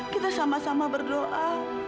kita sama sama berdoa